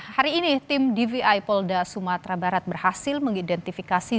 hari ini tim dvi polda sumatera barat berhasil mengidentifikasi